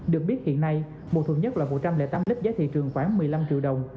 được biết hiện nay mùa thuận nhất loại một trăm linh tám lít giá thị trường khoảng một mươi năm triệu đồng